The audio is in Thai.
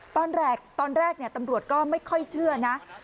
ตอนแรกตำรวจก็ไม่ค่อยเชื่อนะ